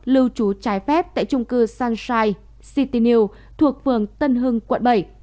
lưu trú trái phép tại trung cư sunshine city new thuộc phường tân hưng quận bảy